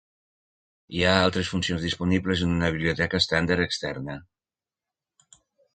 Hi ha altres funcions disponibles en una biblioteca estàndard externa.